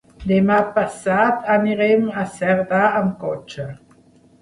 Demà passat anirem a Cerdà amb cotxe.